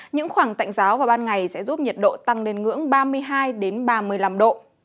những khoảng tạnh giáo vào ban ngày sẽ giúp nhiệt độ tăng lên ngưỡng ba mươi hai ba mươi năm độ